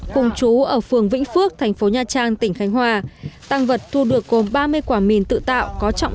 cùng chú ở phường vĩnh phước thành phố nha trang tỉnh khánh hòa